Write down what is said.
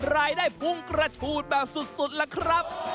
รายได้พุ่งกระฉูดแบบสุดล่ะครับ